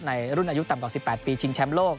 ในรุ่นอายุต่ำกว่า๑๘ปีชิงแชมป์โลก